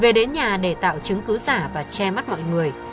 về đến nhà để tạo chứng cứ giả và che mắt mọi người